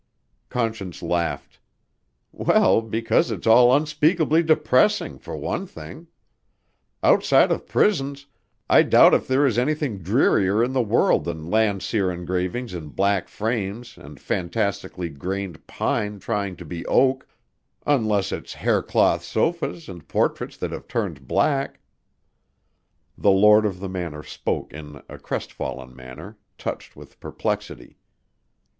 Conscience laughed. "Well, because it's all unspeakably depressing, for one thing. Outside of prisons, I doubt if there is anything drearier in the world than Landseer engravings in black frames and fantastically grained pine trying to be oak unless it's hair cloth sofas and portraits that have turned black." The lord of the manor spoke in a crestfallen manner, touched with perplexity.